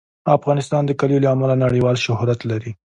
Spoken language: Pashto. افغانستان د کلیو له امله نړیوال شهرت لري.